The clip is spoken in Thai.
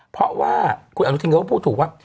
เพราะว่าคุณอนุทิศพูดถูกว่า